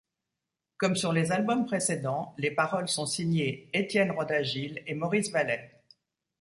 Comme sur les albums précédents, les paroles sont signées Étienne Roda-Gil et Maurice Vallet.